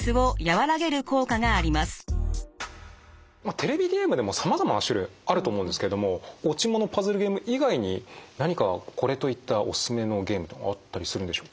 テレビゲームでもさまざまな種類あると思うんですけども落ち物パズルゲーム以外に何かこれといったおすすめのゲームというのはあったりするんでしょうか？